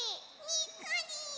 にっこり！